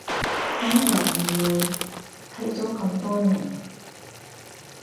噉又唔會，睇咗咁多年